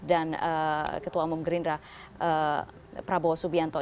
dan ketua umum gerindra prabowo subianto